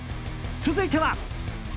続いては。